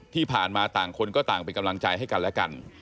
ที่ผ่านมาต่างคนก็ต่างเป็นกำลังใจให้กันและกัน